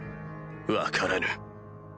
分からぬ。